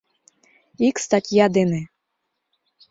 Ик статья дене.